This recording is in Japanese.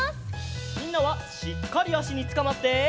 みんなはしっかりあしにつかまって！